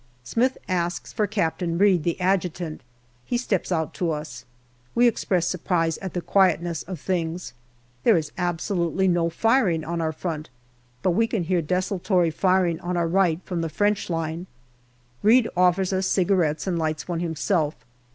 Smith asks for Captain Reid, the Adjutant ; he steps out to us. We express surprise at the quietness of things. There is absolutely no firing on our front, but we can hear desultory firing on our right from the French line. Reid offers us cigarettes and lights one himself.